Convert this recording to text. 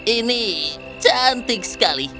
ini cantik sekali